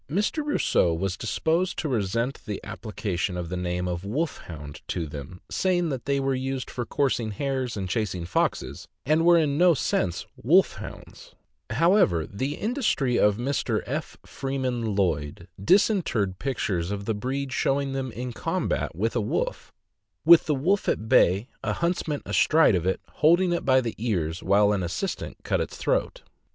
Mr. Rosseau was disposed to resent the application of the name of "Wolfhound" to them, saying that they were used for coursing hares and chasing foxes, and were in no sense wolf hounds. However, the industry of Mr. F. Freeman Lloyd disinterred pictures of the breed showing them in combat with a wolf, with the wolf at bay, a huntsman astride of it, holding it by the ears while an assistant cut its throat.